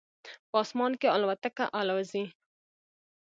په اسمان کې الوتکه الوزي